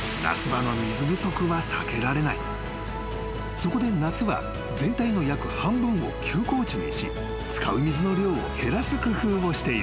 ［そこで夏は全体の約半分を休耕地にし使う水の量を減らす工夫をしている］